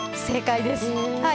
正解です。